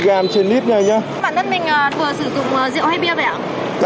bản thân mình vừa sử dụng rượu hay bia vậy ạ